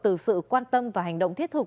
từ sự quan tâm và hành động thiết thực